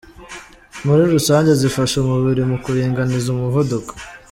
muri rusange zifasha umubiri mu kuringaniza umuvuduko